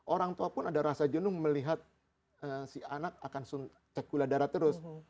orang tua pun ada rasa jenuh melihat si anak akan cek gula darah terus